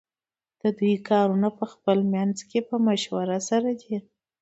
ددوی کارونه پخپل منځ کی په مشوره سره دی .